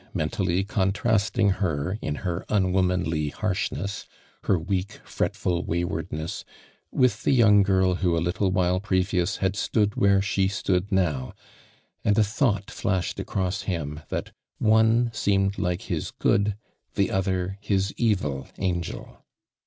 mentally contrasting her in her unwomanly harshness, her weak, fretful waywardness with the young girl who a little while previous had stood where she stood now, and a thought flashed across him that one seemed like his good, the other his evil angel.